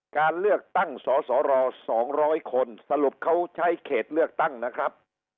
การเลือกตั้งสสร๒๐๐คนสรุปเขาใช้เขตเลือกตั้งนะครับ